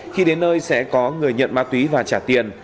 khi đến nơi sẽ có người nhận ma túy và trả tiền